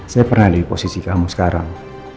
saya pernah lihat posisi kamu sekarang